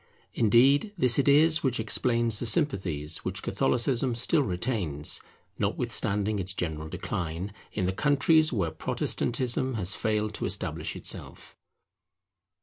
Indeed this it is which explains the sympathies which Catholicism still retains, notwithstanding its general decline, in the countries where Protestantism has failed to establish itself.